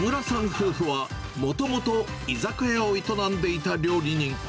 夫婦は、もともと居酒屋を営んでいた料理人。